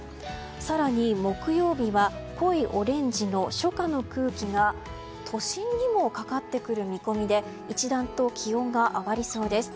更に木曜日は濃いオレンジの初夏の空気が都心にもかかってくる見込みで一段と気温が上がりそうです。